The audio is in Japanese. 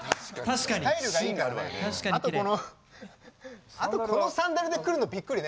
あとこのこのサンダルで来るのびっくりね。